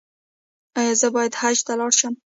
ایا زه باید حج ته لاړ شم؟